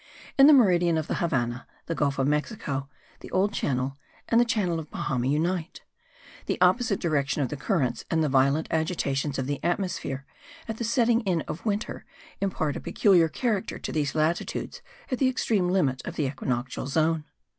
In the meridian of the Havannah the Gulf of Mexico, the old channel, and the channel of Bahama unite. The opposite direction of the currents and the violent agitations of the atmosphere at the setting in of winter impart a peculiar character to these latitudes at the extreme limit of the equinoctial zone.